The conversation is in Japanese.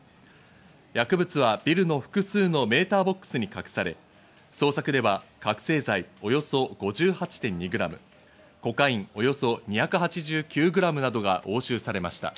薬物はビルの複数のメーターボックスに隠され、捜索では覚せい剤およそ５８．２ｇ、コカインおよそ２８９ｇなどが押収されました。